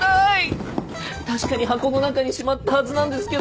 確かに箱の中にしまったはずなんですけど。